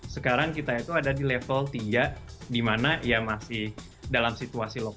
sekarang kita itu ada di level tiga di mana ia masih dalam situasi